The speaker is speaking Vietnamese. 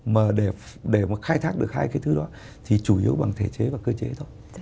mà để mà khai thác được hai cái thứ đó thì chủ yếu bằng thể chế và cơ chế thôi